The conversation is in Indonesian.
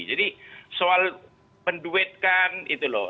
jadi soal penduetkan itu loh